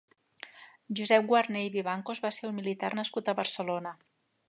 Josep Guarner i Vivancos va ser un militar nascut a Barcelona.